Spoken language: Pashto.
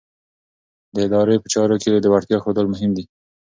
د ادارې په چارو کې د وړتیا ښودل مهم دي.